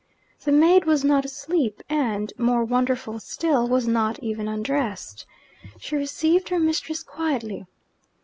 The maid was not asleep, and, more wonderful still, was not even undressed. She received her mistress quietly.